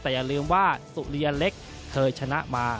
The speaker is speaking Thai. แต่อย่าลืมว่าสุริยเล็กเคยชนะมา